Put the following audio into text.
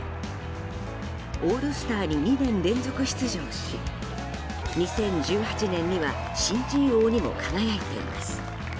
オールスターに２年連続出場し２０１８年には新人王にも輝いています。